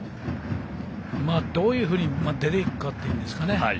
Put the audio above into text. どういうふうに出るかというんですかね。